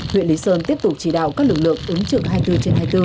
huyện lý sơn tiếp tục chỉ đạo các lực lượng ứng trực hai mươi bốn trên hai mươi bốn